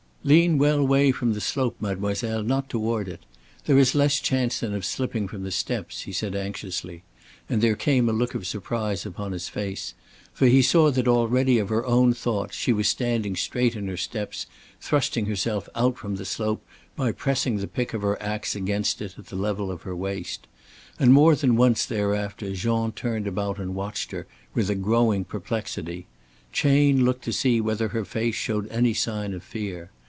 "Lean well way from the slope, mademoiselle, not toward it. There is less chance then of slipping from the steps," he said anxiously, and there came a look of surprise upon his face. For he saw that already of her own thought she was standing straight in her steps, thrusting herself out from the slope by pressing the pick of her ax against it at the level of her waist. And more than once thereafter Jean turned about and watched her with a growing perplexity. Chayne looked to see whether her face showed any sign of fear.